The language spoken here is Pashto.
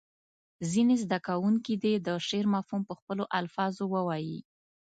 ځینې زده کوونکي دې د شعر مفهوم په خپلو الفاظو ووایي.